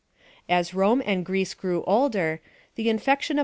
As Rome and Greece grew older, the infection • Aristoi.